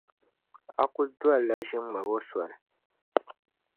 A kul dolila ʒiŋmabo soli.